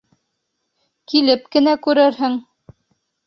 Килеп кенә күренһен!